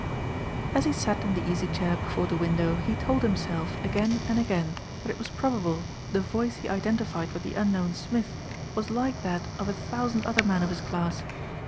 As he sat in the easy chair before the window he told himself again and again that it was probable the voice he identified with the unknown Smith was like that of a thousand other men of his class.